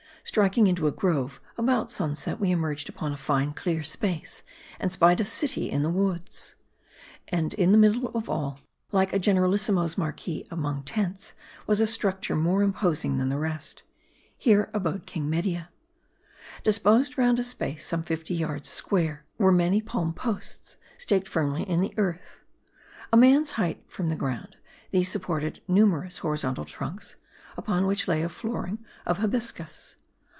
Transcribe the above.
STRIKING into a grove, about sunset we emerged upon a fine, clear space, and spied a city in the woods. In the middle of all, like a generalissimo's marquee among tents, was a structure more imposing than the rest. Here, abode King MediU. Disposed round a space some fifty yards square, were many palm posts staked firmly in the earth. A .man's height from the ground, these supported numerous horizon tal trunks, upon which lay a flooring of habiscus.